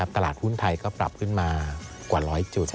ตลาดหุ้นไทยก็ปรับขึ้นมากว่า๑๐๐จุด